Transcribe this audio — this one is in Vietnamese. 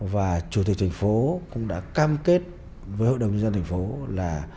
và chủ tịch thành phố cũng đã cam kết với hội đồng nhân dân thành phố là